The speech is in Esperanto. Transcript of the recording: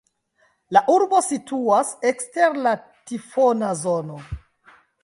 La urbo situas ekster la tifona zono.